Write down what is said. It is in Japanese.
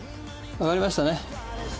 わかりましたね？